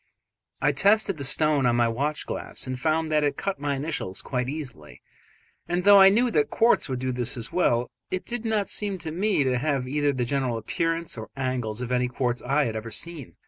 I tested the stone on my watch glass and found that it cut my initials quite easily, and though I knew that quartz would do this as well, it did not seem to me to have either the general appearance or angles of any quartz I had ever seen.